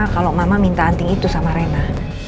kalau mama minta anting itu sama rena